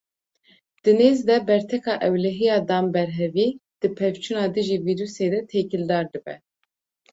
Di nêz de berteka ewlehiya danberhevî di pevçûna dijî vîrûsê de têkildar dibe.